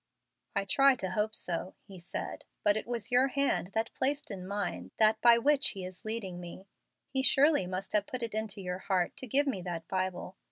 "I try to hope so," he said; "but it was your hand that placed in mine that by which He is leading me. He surely must have put it into your heart to give me that Bible.